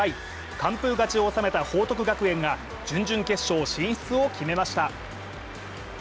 完封勝ちを収めた報徳学園が準々決勝進出を決めました。